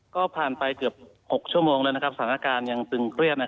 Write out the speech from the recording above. ก็ผ่านไป๖ชั่วโมงสถานการณ์ยังตึงเครียด